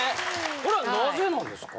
これはなぜなんですか？